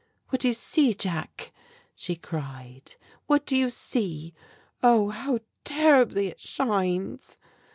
"What do you see, Jack?" she cried. "What do you see? Oh, how terribly it shines!"